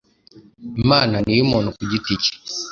Imana ni iy'umuntu kugiti cye.